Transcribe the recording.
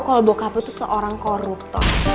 kalau bokapu itu seorang koruptor